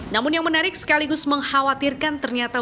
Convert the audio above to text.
namun yang menarik sekaligus mengkhawatirkan ternyata